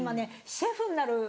シェフになる。